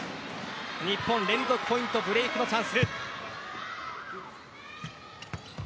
日本、連続ポイントブレークのチャンス。